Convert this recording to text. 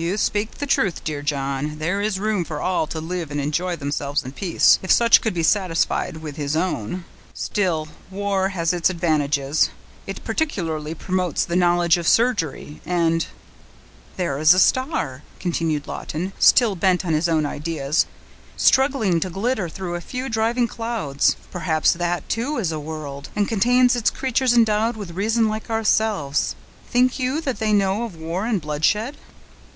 "You speak the truth, dear John; there is room for all to live and enjoy themselves in peace, if each could be satisfied with his own. Still, war has its advantages; it particularly promotes the knowledge of surgery; and—" "There is a star," continued Lawton, still bent on his own ideas, "struggling to glitter through a few driving clouds; perhaps that too is a world, and contains its creatures endowed with reason like ourselves. Think you that they know of war and bloodshed?"